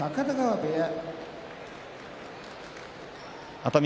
熱海